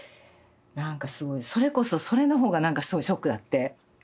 なんかすごいそれこそそれの方がすごいショックだって。